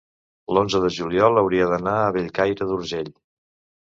l'onze de juliol hauria d'anar a Bellcaire d'Urgell.